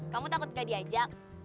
kamu takut nggak diajak